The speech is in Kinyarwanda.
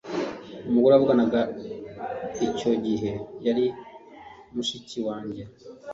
umugore wavuganaga icyo gihe yari mushiki wanjye